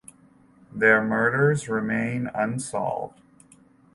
Their murders remain unsolved.